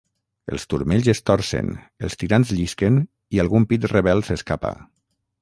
Els turmells es torcen, els tirants llisquen i algun pit rebel s'escapa.